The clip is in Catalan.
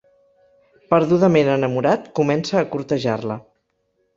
Perdudament enamorat, comença a cortejar-la.